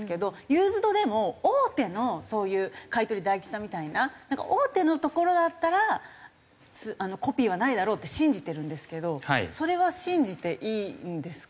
ユーズドでも大手のそういう買取大吉さんみたいな大手のところだったらコピーはないだろうって信じてるんですけどそれは信じていいんですか？